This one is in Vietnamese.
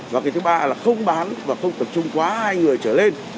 và cái thứ ba là không bán và không tập trung quá hai người trở lên